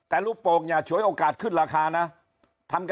แต่ลูกโป่งอย่าฉวยโอกาสขึ้นราคานะ